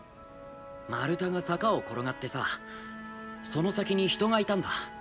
丸太が坂を転がってさその先に人がいたんだ。